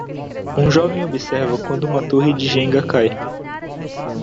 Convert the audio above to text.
Um jovem observa quando uma torre de Jenga cai.